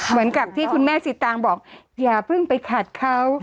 เหมือนกับที่คุณแม่สิตางบอกอย่าเพิ่งไปขัดเขา